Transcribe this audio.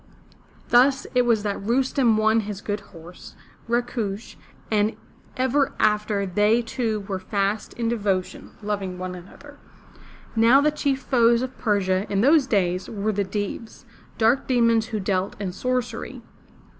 *' Thus it was that Rustem won his good horse, Rakush, and ever after they two were fast in devotion, loving one another. Now the chief foes of Persia, in those days, were the Deevs, dark demons who dealt in sorcery.